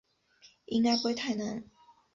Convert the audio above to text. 应该不会太难